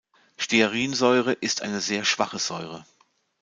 Stearinsäure ist eine sehr schwache Säure.